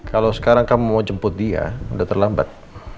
kalau sekarang kamu mau jemput dia udah terlambat